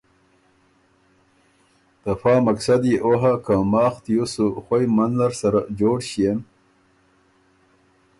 ته فۀ ا مقصد يې او هۀ که ماخ تیوس سُو خوئ منځ نر سره جوړ ݭيېن